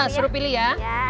suruh pilih ya